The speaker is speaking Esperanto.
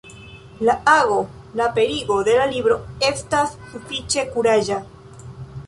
La ago, la aperigo de la libro, estas sufiĉe kuraĝa.